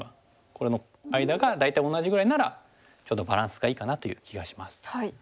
これの間が大体同じぐらいならちょうどバランスがいいかなという気がします。